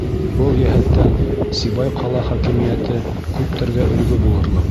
Был йәһәттән Сибай ҡала хакимиәте күптәргә өлгө булырлыҡ.